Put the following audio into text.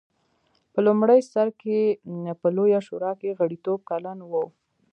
په لومړي سر کې په لویه شورا کې غړیتوب کلن و.